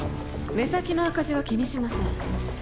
目先の赤字は気にしません